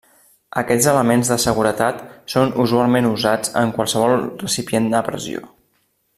Aquests elements de seguretat són usualment usats en qualsevol recipient a pressió.